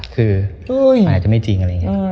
คือมันอาจจะไม่จริงอะไรอย่างนี้